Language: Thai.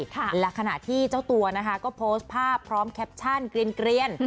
และขณะที่เจ้าตัวนะคะก็โพสต์ภาพพร้อมแคปชั่นเกลียน